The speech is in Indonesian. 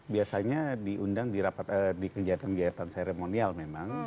biasanya diundang di rapat di kegiatan kegiatan seremonial memang